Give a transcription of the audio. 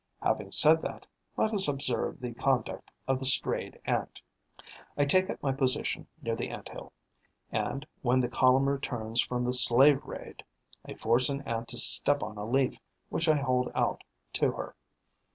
Having said that, let us observe the conduct of the strayed Ant. I take up my position near the Ant hill; and, when the column returns from the slave raid, I force an Ant to step on a leaf which I hold out to her.